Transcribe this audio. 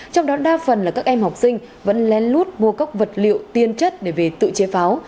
trong đó đa phần là các em học sinh vẫn len lút mua các vật liệu tiên chất để về tự chế pháo